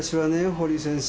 堀井先生。